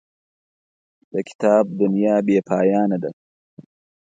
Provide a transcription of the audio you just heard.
د کتاب دنیا بې پایانه ده.